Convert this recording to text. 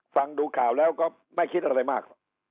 ฟังดูข่าวแล้วก็ไม่คิดอะไรมาก